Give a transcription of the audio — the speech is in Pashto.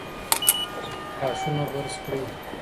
غاښونه برس کړئ.